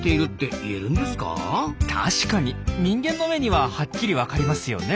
確かに人間の目にははっきりわかりますよね。